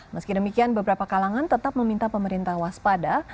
meski demikian beberapa kalangan tetap meminta pemerintah waspada